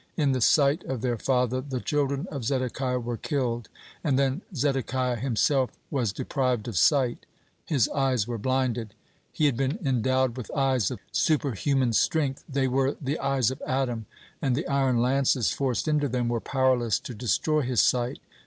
In the sight of their father, the children of Zedekiah were killed, and then Zedekiah himself was deprived of sight; his eyes were blinded. (6) He had been endowed with eyes of superhuman strength, they were the eyes of Adam, and the iron lances forced into them were powerless to destroy his sight.